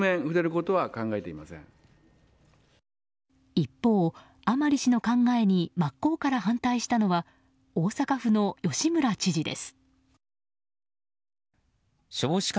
一方、甘利氏の考えに真っ向から反対したのは大阪府の吉村知事です。